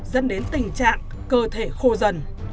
dẫn đến tình trạng cơ thể khô dần